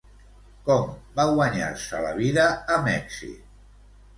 Com va guanyar-se la vida a Mèxic?